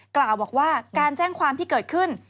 กล่าวบอกว่าการแจ้งความที่เกิดขึ้น